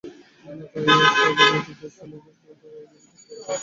তাই ইয়াসরাবের নেতৃস্থানীয় ব্যক্তিগণ তাঁর আগমন পথে দাঁড়িয়ে গেলেন।